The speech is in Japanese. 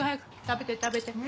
食べて食べて。